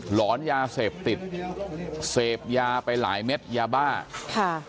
หลอนยาเสพติดเสพยาไปหลายเม็ดยาบ้าค่ะ